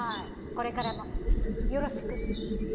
これからもよろしく。